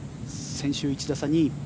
先週１打差、２位。